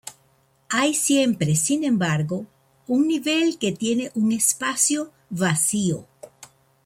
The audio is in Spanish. Hay siempre, sin embargo, un nivel que tiene un espacio vacío.